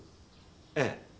ええ。